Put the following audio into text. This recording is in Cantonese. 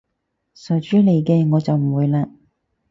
傻豬嚟嘅，我就唔會嘞